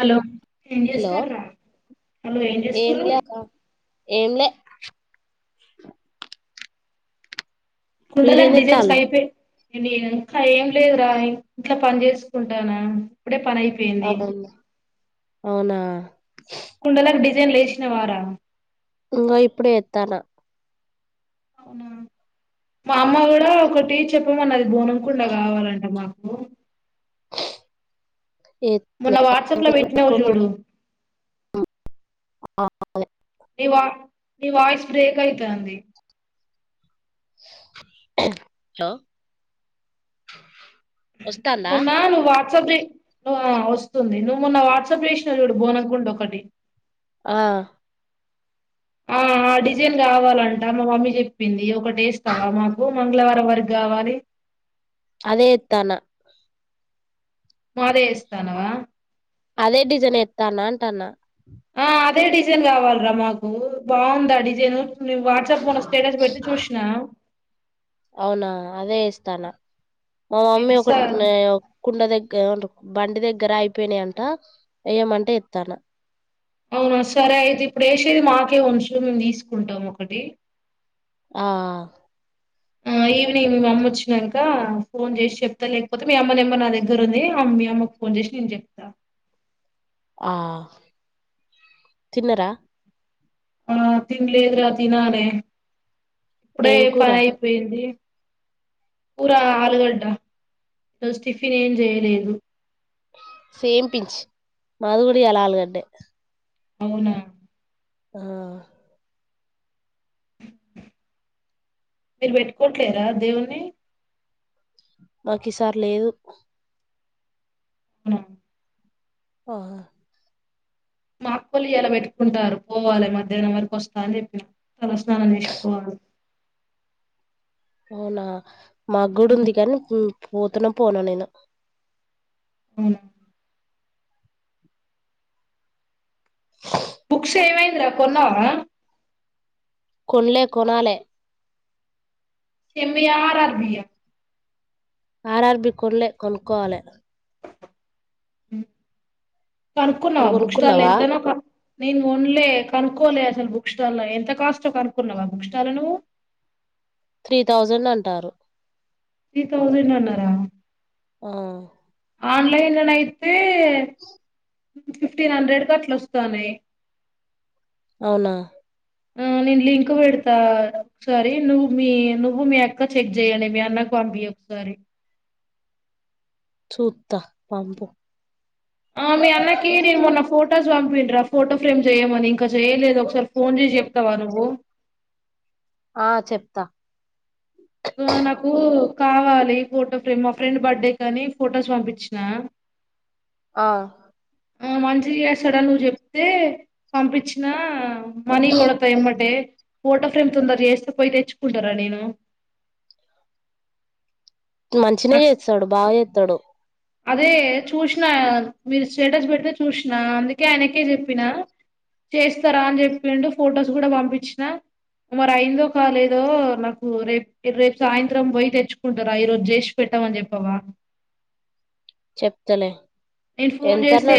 Hello ఏం hello చేస్తార్రా hello ఏం చేస్తుర్రు ఏంలే ఏంలే కుండలగ మీరేం డిజైన్స్ చేత్తాలు అయిపోయింది ఇంకా ఏం లేదురా ఇంట్లా పని చేసుకుంటాన ఇప్పుడే పని అయిపోయింది అవునా అవునా కుండకి డిజైన్ లేచి తిన్నావారా ఇంకా ఇప్పుడు ఎత్తాల అవునా మా అమ్మ కూడా ఒకటి చెప్పమనది బోనకుండా కావాలంట మాకు మొన్న వాట్సాప్ లో హలో పెట్టినావు చూడు ఆ నీ వా నీ వాయిస్ బ్రేక్ అయితంది హలో మన్నా నువ్వు వాట్సప్ పెట్టినావు కదా వ స్తు నువ్వు మోన్నా వాట్సాప్ చేసినావ్ చూడు పోనుకుం ఒకటి ఆ ఆ ఆ డిజైన్ కావాలంట మా మమ్మీ చెప్పింది ఒకటి వేస్థవ మాకు మంగళవారం వరకు కావాలి అదే తాన మాదయ స్థానవా అదే డిజైన్ ఎత్తానంటన్న ఆ! అదే డిజైన్ కావాలరా మాకు బాగుంద ఆ డిజైన్ ను వాట్సాప్ పోన్న స్టేటస్ పెడితే చూసిన అవునా అదే ఇస్తాను మా అయితే మమ్మీ స ఒక కుండ దగ్గర ఉం బండి దగ్గర అయిపోయినాయంట వ్యమంటే ఎస్తాను అవునా సరే అయితే ఇప్పుడు వేసేది మాకే ఉంచు మేము తీసుకుంటాం ఒకటి ఆ ఆ ఈవనింగ్ మీ అమ్మ వచ్చినాక ఫోన్ చేసి చెప్తా లేకపోతే మీ అమ్మ నెంబర్ నా దగ్గర ఉంది మీ అమ్మకు ఫోన్ చేసి నేను చెప్తా ఆ తిన్నరా ఆ తిన్నలేధు రా థినాలే ఇప్పుడే ఏం కూర పని అయిపోయింది ఊరా ఆలుగడ్డ ఇ స్టిఫిన్ ఏం చేయలేదు సేపించు మాధుగుడి అలాల్గడ్డే అవునా. ఆహ్. మీర్ బేట్టుకుంటలేరా దేవున్ని. మాక్ ఈసారి లేదు. హుమ్మ్. ఓహ. మాఅక్కొల్లు ఇయలా పెట్టుకుంటారు పోవాలే, మధ్యాహ్నం వరకు వస్తా అని జేప్పినా. తలస్నానం జేసి పోవాలే. అవునా. మాగుడ్ ఉంది గానీ, ఉమ్. పోతనో, పోనో నేను. ఉమ్మ్. బుక్స్ ఏమైంద్ర, కొన్నావా. కొన్లే, కొనాలే. సేమ్మియా, ఆర్ ఆర్ బియా. ఆర్ ఆర్ బి కోన్లే కొనుక్కోవాలే. ఉమ్. నువ్వు కనుక్కున్నావా, బుక్ స్టాల్ కొనుక్కున్నావా ఎంతనో కను. నేను గోన్లే, కనుక్కోలే అసల్ బుక్ స్టాల్లా. ఎంత కాస్ట్ కనుక్కున్నావా, బుక్ స్టాల్ నువ్వు. త్రీ థౌజండ్ అంటారు. త్రీ తౌసండ్ అన్నారా. ఆ. ఆన్లైన్ల నైతే. ఫిఫ్టీన్ హండ్రెడ్ కట్లొస్తాన్నాయి. అవునా. ఉమ్ నేన్ లింక్ పెడతా, ఒకసారి నువ్వు మీ, నువ్వు మీ అక్క చెక్ జేయ్యండి. మీ అన్నకు పంపి ఒకసారి. చూత్తా పంపు. ఆ మీ అన్నకి నేను మొన్న ఫొటోస్ పంపిన్రా ఫోటో ఫ్రేమ్ జేయ్యమని, ఇంకా జేయ్యలేదు. ఒకసారి ఫోన్ చేసి చెప్తావా నువ్వు. ఆ చెప్తా. ఉ నాకు. కావాలి ఫోటో ఫ్రేమ్, మా ఫ్రెండ్ బర్త్డే కాని ఫొటోస్ పంపించ్చినా. ఆ. ఉమ్ మంచిగా చేస్తాడని నువ్వు జేప్తే, పంపించ్చినా. మనీ గోడతా ఎమ్మటే. ఫోటో ఫ్రేమ్ తొందర జేస్తే, పోయి తెచ్చుకుంటారా నేను. మంచినే నాకు చేస్తాడు, బాగా జేస్తాడు. అదే చూసినా మీరు స్టేటస్ పెడితే చూసినా, అందుకే ఆయనకే చెప్పినా, చేస్తారా అని చెప్పిండు. ఫొటోస్ గుడా పంపించినా, మరి అయిందో, కాలేదో నాకు రేప్ రేప్ సాయంత్రం పోయి తెచ్చుకుంటారా ఈ రోజు జేష్. పెట్టమని జేప్పవా. చెప్తాలే. నేన్ ఫోన్ జేస్తే.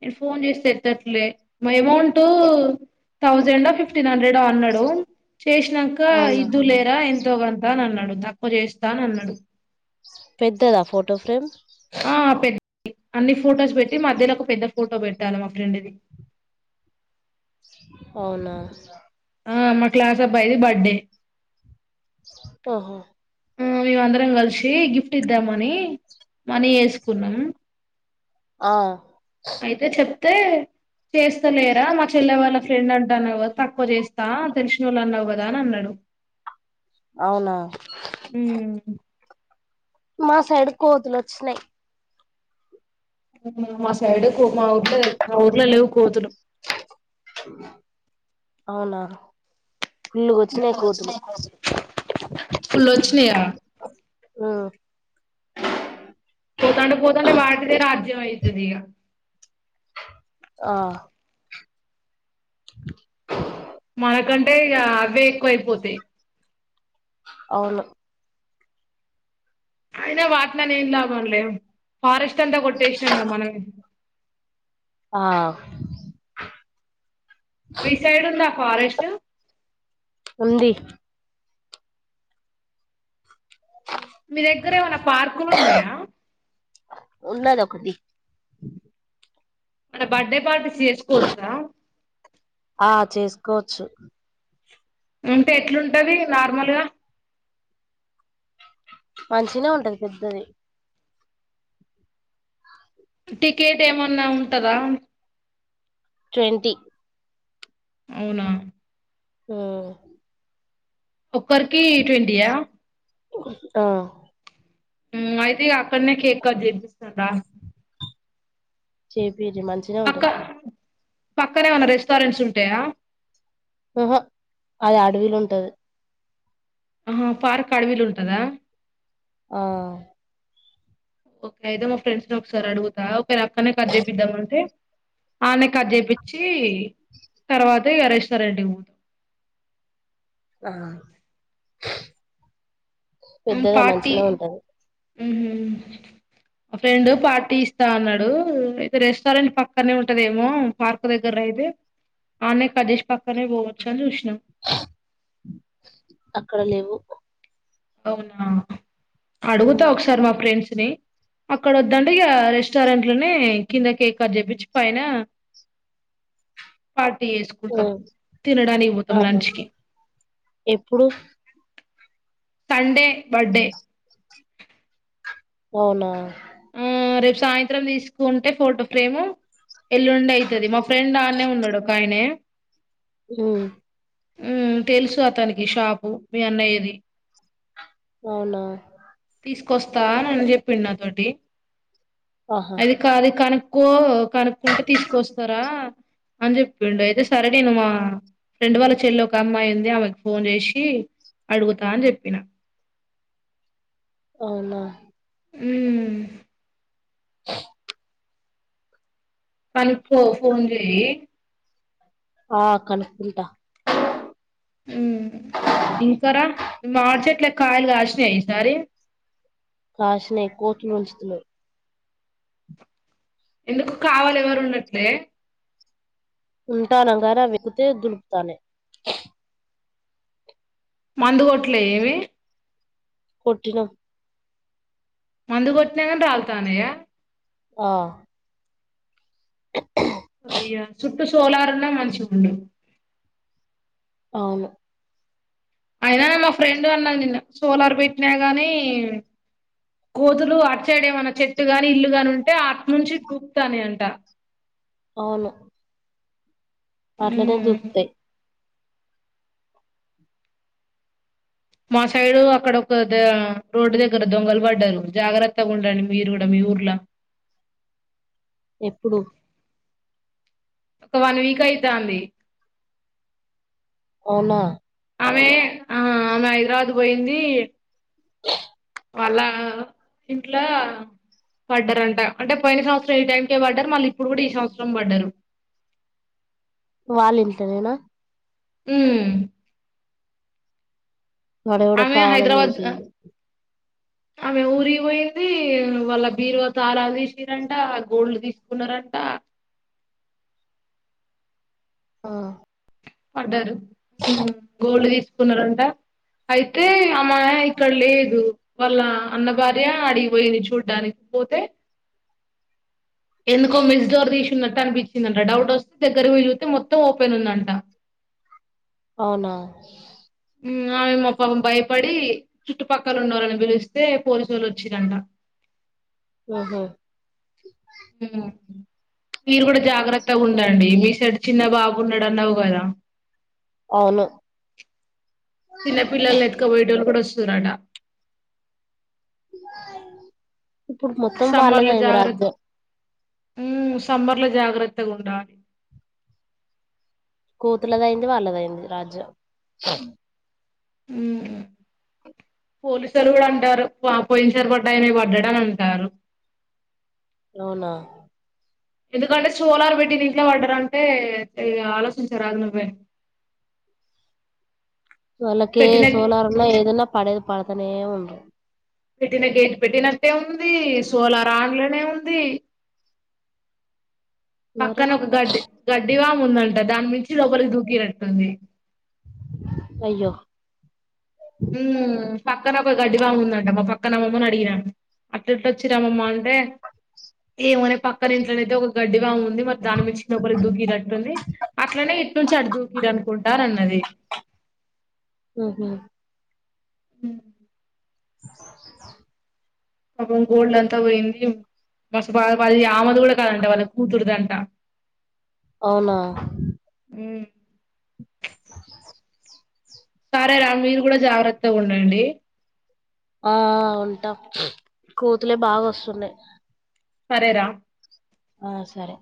నేను ఫోన్ చేస్త ఎత్తట్లే మ అమౌంట్ థౌజండ్ ఒ ఫిఫ్టీన్ హండ్రెడ్ అన్నాడు చేసినాక అవునా ఇద్దు లేరా ఎంతో గంత అని అన్నడు దప్పు చేస్తా అని అన్నడు పెద్దదా ఫోటో ఫ్రేమ్ ఆ పెద్ద అన్ని ఫొటోస్ పెట్టి మధ్యలో ఒక పెద్ద ఫోటో పెట్టాలి మా ఫ్రెండ్ది అవునా ఆ మా క్లాస్ అబ్బాయిది బర్డే ఓహో మేమ అందరం కలిసి గిఫ్ట్ ఇద్దామని మనీ వేసుకున్నం ఆ అయితే చెప్ ప్తే చేస్ తె లేరా మా చెల్ల వాళ్ళ ఫ్రెండ్ అం దాన్లో తకువ చేస్ తా తెలిసినోల్ అనవ్ కదా తనన్నడు అవునా మా సైడు కోతులు ఒచ్చినయి మా సైడ్ కో మా ఊర్లో మా ఊర్లో లేవు కోతులు అవునా ఫుల్లుగా వచ్చినాయి కోతులు ఫుల్లొచ్చినయ ఆ పోతాంటే పోతాంటే వాటిదే రాజ్యమయ్ నేనియా ఆ మనకంటే ఇగ అవే ఎక్కువయిపోతాయి అవును అయినా వాట్లనే ఏం లాభం లే ఫారెస్ట్ తా కొట్టేసినాం గా మనమే ఆ మీ సైడ్ ఉందా ఫారెస్ట్ ఉంది మీ దగ్గర ఏమనా పార్కులు ఉన్నయా కొంది మన బర్డే పార్టీస్ చేసుకోవచ్చా ఆ చేసుకోవచ్చు ఉంటే ఎట్లుంటది నార్మల్గా మంచిగనే ఉంటది పెద్దది టికెట్ ఏమన్నా ఉంటాదా ట్వంటి అవునా మ్మ్ ఒక్కరికి ట్వంటీయా ఆ మ్మ్ అయితే అక్కడనే కేక్ కట్ చెపిస్ స్తా చె వీరి మంచిగనే ఉంటది పక్కనే ఏమన్నా రెస్టారెంట్స్ ఉంటాయా హా అది అడవిలు ఉంటది ఆ పార్క్ అడవిలు ఉంటదా ఆ ఓకే అయితే మా ఫ్రెండ్స్ ని ఒకసారి అడుగుతా అక్కడనే కట్ చేయపిధాం అంటే అడ్నే కట్ చేయపిచ్చి తర్వాత ఇగ రెస్టారెంట్కి పోతాం ఆ పెద్దగా మంచిన ఉంటరు హ్మ్ ఆ ఫ్రెండ్ పార్టీ ఇస్తా అన్నాడు అయితే రెస్టారెంట్ పక్కనే ఉంటదేమో పార్క్ దగ్గర అయితే ఆనే కట్ చేసి పక్కనే పోవచ్చు అని చూస్తు అక్కడ లేవు అవునా అడుగుతా మ్మ్ ఒకసారి మా ఫ్రెండ్స్ అక్కడ వొద్దు ఆంటె ఇక రెస్టారెంట్ లోనే కింద కేక్ కట్ చేపించి పైన పార్టీ చేసుకుంటాం తినడానికి పోతాం ఆహా లంచ్ కి ఎప్పుడు సండే బర్డే అవునా ఆ రేపు సాయంత్రం తీసుకుంటే ఫోటో ఫ్రేమ్ ఎల్లుండి అయితది మా ఫ్రెండ్ ఆడానే ఉన్నాడు ఒక ఆయనే మ్మ్ మ్మ్ తెలుసు అతనికి షాపు మీ అన్నయ్యది అవునా వాస్త అని చెప్పిండు నా తోటి ఆహా అది కా అది కాను కో కనుక్కుంటే తీసుకొస్తారా అని చెప్పిండు అయితే సరే నేను మా ఫ్రెండ్ వాళ్ళ చెల్లి ఒక అమ్మాయి ఉంది ఆమెకి ఫోన్ చేసి అడుగుతా అని చెప్పిన అవునా మ్మ్ ఆ కనుక్కో ఫోన్ చెయి ఆ కనుకంట ఉమ్ ఇంకరా మార్చట్లే కాయలు కాచినా ఈసారి కాశనై కోతులు ఉంచుత లేవు ఎందుకు కావాలి ఎవరు ఉండాలే ఉంటానంగానీ వెక్కుతే దునుకుతనై మందుగట్లే ఏవి కొట్టిన మందు కొట్టినాకని రాల్ తానయ్య ఆ రియా చుప్ డు సోలారున్నా మంచిగన్డు అవును అయినానే మా ఫ్రెండ్ అన్నాదినిన్న సోలార్ పెట్టినా గాని కోతులు అట్డేమన్నా చెట్టు గాని ఇల్లు ని ఉంటే అటునుంచి చూపుతానే అంట అవున అట్లనే ఉమ్. దూకుతాయి మా సైడు అక్కడ ఒక ద రోడ్డు దగ్గర దొంగలు పడ్డారు జాగ్రత్తగా ఉండడి మీరు కూడా మీ ఊర్లా ఎప్పుడు ఒక వన్ వీక్ అయితాంది అవున ఆమె ఆ ఆమె హైద్రావద్ పోయింది వాళ్ళ ఇంట్ల పడారంట అంటే పోయిన సంవత్సరం ఈ టైంకే పడ్డారు మళ్ళీ ఇప్పుడు కూడా ఈ సంవత్సరం పడ్డారు వాళ్ళింట్లనేనా హు వాడు ఎవడో ఆమె కావాలని హైదరాబాద్ చేసిండు ఆమె ఊరి పోయింది వాళ్ళ బీరువా తాళం తీసిరంట గోల్డ్ తీసుకున్నారంట ఆ పడ్డారు గోల్డు తీసుకున్నారంట అయితే ఆమె ఇక్కడ లేదు వాళ్ళ అన్న భార్య అడిగిపోయింది చూడానికి పోతే ఎందుకో మెస్డోర్ తీసున్నట్ కనిపించిందంట డౌట్ వస్తే దగ్గర పోయి చుస్తే మొత్తం ఓపెన్ ఉందంట అవునా హు ఆమె మొఖం భయపడి చుట్టుపకోనోళ్లని పిలిస్తే పోలీసోలు వచ్చిరంట ఆహ మీరు కూడా జాగ్రత్తగా ఉండండి మీ సైడ్ చిన్న బాబున్నాడు అన్నావు కదా అవును చిన్న పిల్లల్ని ఎత్క బోయటోలు కూడా వస్తుర్ స్తురట ఇప్పుడు మొత్తం వాళ్లధైంది రాజ్యం హు సమ్బర్ల జాగ్రత్త గుండాలి కోతులైంది వాళ్ళధైంది రాజ్యం పోలీసులు కూడా అంటారు వామో పోయిన సారి పడాయిననే పండాడ అంటారు అవునా ఎందుకంటే, చోలర్ పెట్టినిట్ల పడ్డరంటే ఇగ ఆలోచించరా నువ్వే. వాళ్లకే పెట్టిన సోలారున్నా, ఏదున్నా పడేదు పడ తనే ఉండ్రు పెటిన గేట్ పెట్టినట్టే ఉంది. సు చోలర్ అన్లోనే ఉంది. మరి పక్కనొక గడ్డి గడ్ డి వాముందట దాని మించి లోపలికి దూకిరట్టుంది అయ్యో మ్మ్ పక్కనొక గడ్డివాముందట. మా పక్కన అమ్మమ్మని అడిగినా. అట్లెట్ల వచ్చిరమ్మమ్మా అంటే! ఏమోనే పక్కనింట్లో నయితే ఒక గడ్డివాముంది. మరి దాని మించి లోపలికి దుక్కినట్టుంది. అట్లనే, ఇటు నుంచి అటు దూకిర్ అనుకుంట అనన్ అదే మ్మ్ హు హు పాపం గోల్డ్ అంతా పోయింది. మస్త్ బాదపడి, అది ఆమెది కూడ కాదంట. వాళ్ళ కూతుర్ధంట. అవునా! మ్మ్ సరే రా. మీరు కూడ జాగ్రత్తగా ఉండండి. ఆ ఉంటా. కోతులే బాగొస్తున్నాయ్. సరేరా. ఆ సరే.